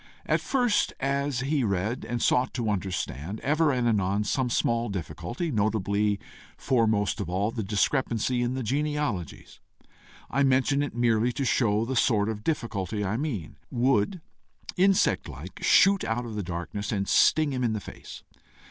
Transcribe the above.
At first, as he read and sought to understand, ever and anon some small difficulty, notably, foremost of all, the discrepancy in the genealogies I mention it merely to show the sort of difficulty I mean would insect like shoot out of the darkness, and sting him in the face.